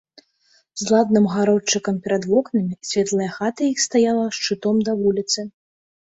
З ладным гародчыкам перад вокнамі, светлая хата іх стаяла шчытом да вуліцы.